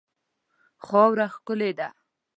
خاوره ښکلې ده.